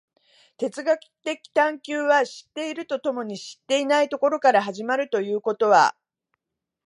哲学的探求は知っていると共に知っていないところから始まるということは、